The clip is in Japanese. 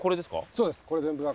そうです。